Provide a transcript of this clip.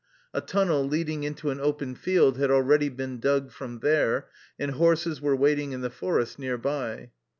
A tunnel leading into an open field had already been dug from there, and horses were waiting in the forest near by.